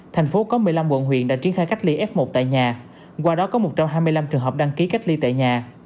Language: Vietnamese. thành phố có một mươi năm quận huyện đã triển khai cách ly f một tại nhà qua đó có một trăm hai mươi năm trường hợp đăng ký cách ly tại nhà